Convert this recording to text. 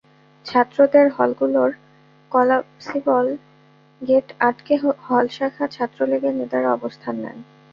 ছাত্রদের হলগুলোর collapsible gate আটকে হল শাখা ছাত্রলীগের নেতারা অবস্থান নেন।